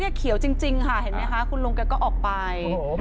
เขียวจริงค่ะเห็นไหมคะคุณลุงแกก็ออกไป